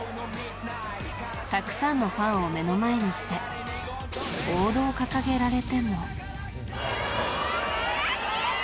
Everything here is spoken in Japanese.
たくさんのファンを目の前にしてボードを掲げられても。